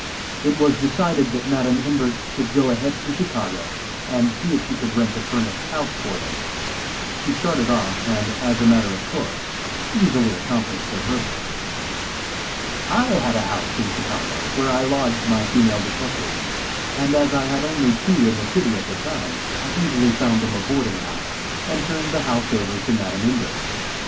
It was decided that Madam Imbert should go ahead to Chicago, and see if she could rent a furnished house for them. She started off, and, as a matter of course, easily accomplished her purpose. I had a house in Chicago, where I lodged my female detectives, and as I had only two in the city at the time, I easily found them a boarding house, and turned the house over to Madam Imbert.